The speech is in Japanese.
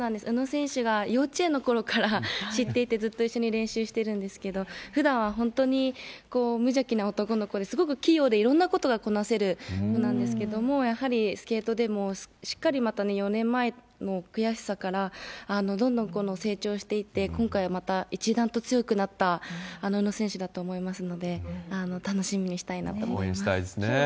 宇野選手が幼稚園のころから知っていて、ずっと一緒に練習してるんですけど、ふだんは本当に無邪気な男の子で、すごく器用で、いろんなことがこなせる子なんですけれども、やはりスケートでもしっかりまた、４年前の悔しさからどんどん成長していって、今回はまた一段と強くなった宇野選手だと思いますので、楽しみに応援したいですね。